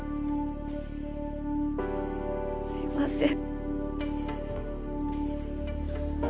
すいません。